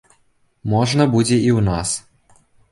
Можна будзе і ў нас.